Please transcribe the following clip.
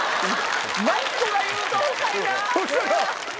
マツコが言うと深いな！